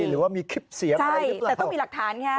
หรือว่ามีคลิปเสียบอะไรรึเปล่าแต่ต้องมีหลักฐานไงฮะ